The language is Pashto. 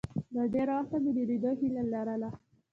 له ډېره وخته مې د لیدلو هیله لرله.